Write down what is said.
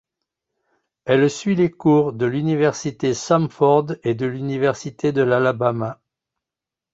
Elle suit les cours de l'université Samford et de l'université de l'Alabama.